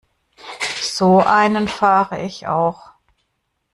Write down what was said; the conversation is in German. So einen fahre ich auch.